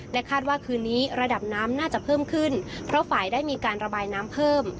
คาดว่าคืนนี้ระดับน้ำน่าจะเพิ่มขึ้นเพราะฝ่ายได้มีการระบายน้ำเพิ่ม